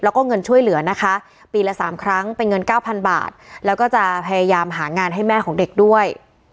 แล้วก็เงินช่วยเหลือนะคะปีละ๓ครั้งเป็นเงินเก้าพันบาทแล้วก็จะพยายามหางานให้แม่ของเด็กด้วย